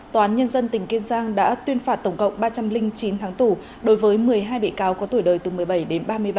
tòa án nhân dân tỉnh kiên giang đã tuyên phạt tổng cộng ba trăm linh chín tháng tù đối với một mươi hai bị cáo có tuổi đời từ một mươi bảy đến ba mươi ba